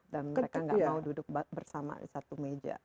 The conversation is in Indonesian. dan mereka tidak mau duduk bersama di satu meja